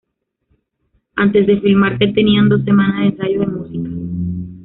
Antes de filmar, que tenían dos semanas de ensayos de música.